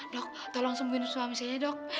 dok tolong sembuhin suami saya dok